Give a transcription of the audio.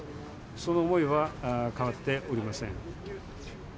その思いは変わっておりません。